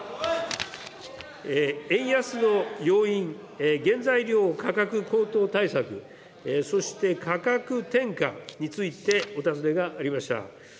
円安の要因、原材料価格高騰対策、そして、価格転嫁についてお尋ねがありました。